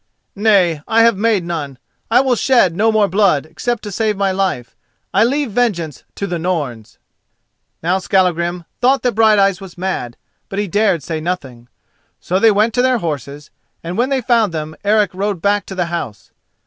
"Nay, I have made none. I will shed no more blood, except to save my life. I leave vengeance to the Norns." Now Skallagrim thought that Brighteyes was mad, but he dared say nothing. So they went to their horses, and when they found them, Eric rode back to the house.